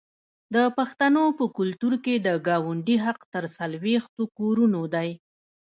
د پښتنو په کلتور کې د ګاونډي حق تر څلوېښتو کورونو دی.